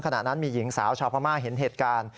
ขณะนั้นมีหญิงสาวชาวพม่าเห็นเหตุการณ์